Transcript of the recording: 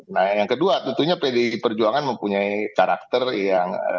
nah yang kedua tentunya pdi perjuangan mempunyai karakter yang